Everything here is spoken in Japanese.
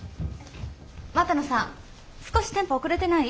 股野さん少しテンポ遅れてない？